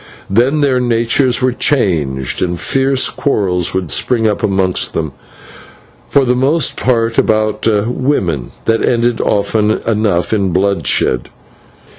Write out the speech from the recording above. Then their natures were changed, and fierce quarrels would spring up amongst them, for the most part about women, that ended often enough in bloodshed.